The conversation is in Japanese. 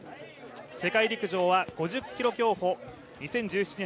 世界陸上は５０ｋｍ競歩２０１７年